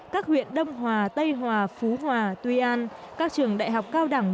các huyện đông hòa tây hòa phú hòa tuy an các trường đại học cao đẳng